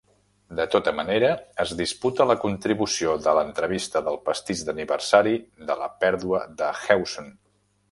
De tota manera, es disputa la contribució de l'entrevista del pastís d'aniversari de la pèrdua de Hewson.